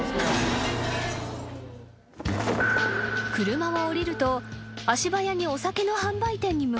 ［車を降りると足早にお酒の販売店に向かう女性］